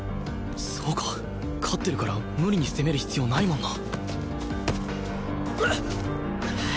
そうか勝ってるから無理に攻める必要ないもんな